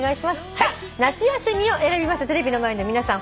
さあ「夏休み」を選びましたテレビの前の皆さん